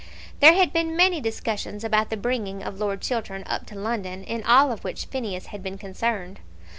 There had been many discussions about the bringing of Lord Chiltern up to London, in all of which Phineas had been concerned.